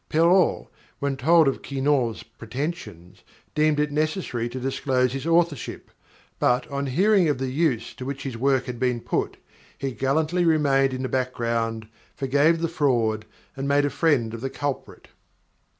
Perrault, when told of Quinault's pretensions, deemed it necessary to disclose his authorship; but, on hearing of the use to which his work had been put, he gallantly remained in the background, forgave the fraud, and made a friend of the culprit.